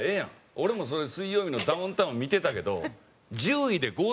俺もその『水曜日のダウンタウン』見てたけど１０位でＧＯ☆